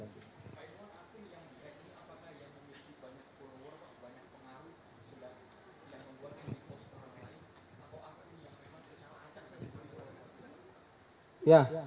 pak ilman artinya apakah yang memiliki banyak pengawasan